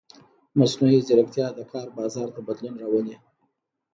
مصنوعي ځیرکتیا د کار بازار ته بدلون راولي.